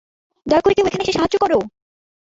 দয়া করে কেউ এখানে এসে সাহায্য করো!